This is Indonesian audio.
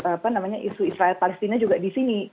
apa namanya isu israel palestina juga di sini